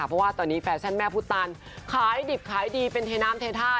เพราะว่าตอนนี้แฟชั่นแม่พุทธตันขายดิบขายดีเป็นเทน้ำเทท่า